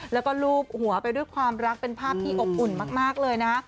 แล้วก็ลูบหัวไปด้วยความรักเป็นภาพที่อบอุ่นมากเลยนะ